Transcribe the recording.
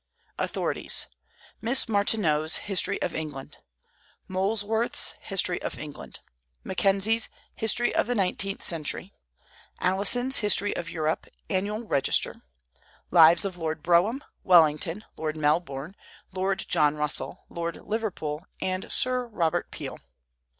AUTHORITIES. Miss Martineau's History of England; Molesworth's History of England; Mackenzie's History of the Nineteenth Century, Alison's History of Europe; Annual Register; Lives of Lord Brougham, Wellington, Lord Melbourne, Lord John Russell, Lord Liverpool, and Sir Robert Peel.